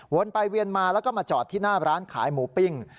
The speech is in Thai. ไปเวียนมาแล้วก็มาจอดที่หน้าร้านขายหมูปิ้ง